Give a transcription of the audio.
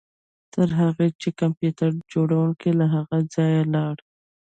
تر هغه چې د کمپیوټر جوړونکی له هغه ځایه لاړ